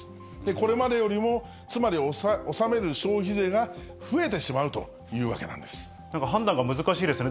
これまでよりも、つまり納める消費税が増えてしまうというわけな判断が難しいですよね。